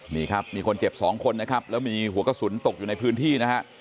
นี่ครับมีคนเจ็บสองคนนะครับแล้วมีหัวกระสุนตกอยู่ในพื้นที่นะฮะ